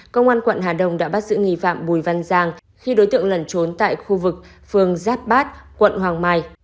công an quận hà đông đã bắt giữ nghi phạm bùi văn giang khi đối tượng lẩn trốn tại khu vực phường giáp bát quận hoàng mai